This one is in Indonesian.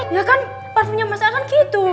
ya kan parfumnya masa kan gitu